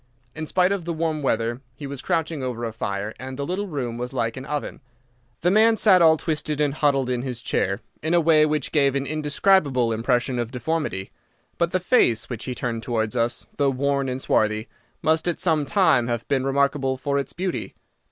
In spite of the warm weather he was crouching over a fire, and the little room was like an oven. The man sat all twisted and huddled in his chair in a way which gave an indescribable impression of deformity; but the face which he turned towards us, though worn and swarthy, must at some time have been remarkable for its beauty.